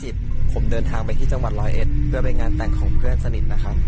ผมเดินทางไปที่จังหวัดร้อยเอ็ดเพื่อไปงานแต่งของเพื่อนสนิทนะครับ